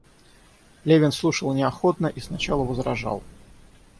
Левин слушал неохотно и сначала возражал.